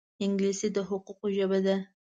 انګلیسي د حقوقو ژبه ده